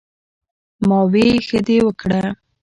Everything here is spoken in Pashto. " ـ ما وې " ښۀ دې وکړۀ " ـ